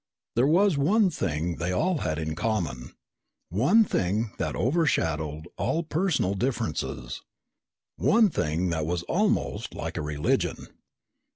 There was one thing they all had in common, one thing that overshadowed all personal differences. One thing that was almost like a religion.